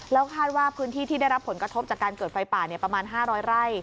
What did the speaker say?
แล้วคาดว่าพื้นที่ที่ได้รับผลกระทบจากการเกิดไฟป่าประมาณ๕๐๐ไร่